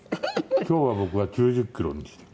今日は僕は９０キロに。